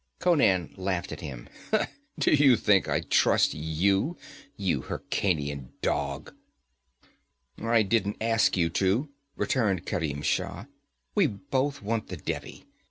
Conan laughed at him. 'Do you think I'd trust you, you Hyrkanian dog?' 'I don't ask you to,' returned Kerim Shah. 'We both want the Devi.